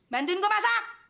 bantuin gua masak